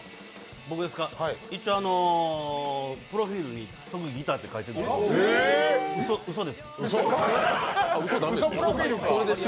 僕ですか、一応プロフィールに特技ギターって書いてあるんですけど、うそです。